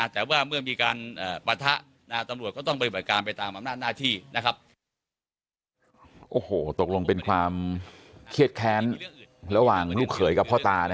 แต่ว่าเมื่อมีการปะทะตำรวจก็ต้องปฏิบัติการไปตามอำนาจหน้าที่นะครับ